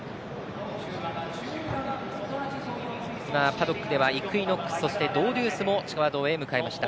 パドックではイクイノックスそして、ドウデュースも地下馬道へ向かいました。